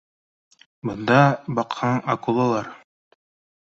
Бында, баҡһаң, акулалар